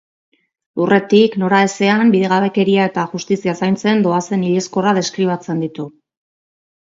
Lurretik, noraezean, bidegabekeria eta justizia zaintzen doazen hilezkorrak deskribatzen ditu.